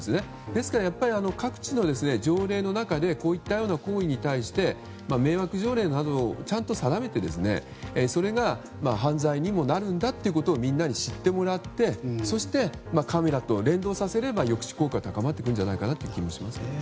ですから各地の条例の中でこういった行為に対して迷惑条例などをちゃんと定めてそれが犯罪にもなるんだということをみんなに知ってもらってそしてカメラと連動させれば抑止効果は高まってくるんじゃないかなという気がしますね。